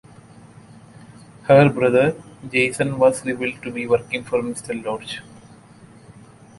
Her brother, Jason, was revealed to be working for Mr. Lodge.